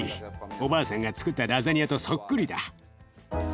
おばあさんがつくったラザニアとそっくりだ。